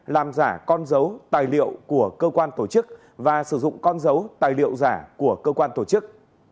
làm giả con dấu tài liệu của cơ quan tổ chức và sử dụng con dấu tài liệu giả của cơ quan tổ chức